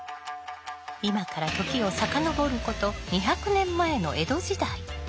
今から時を遡ること２００年前の江戸時代。